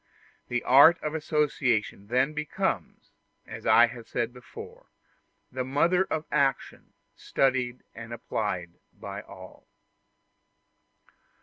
The art of association then becomes, as I have said before, the mother of action, studied and applied by all.